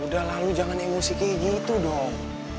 udah lalu jangan emosi kayak gitu dong